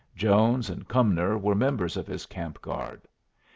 Jones and Cumnor were members of his camp guard.